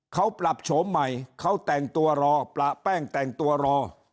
เขาปรับโฉมใหม่เขาแต่งตัวรอปะแป้งแต่งตัวรอ